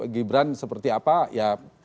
gibran seperti apa ya